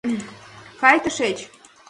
— Кай тышеч!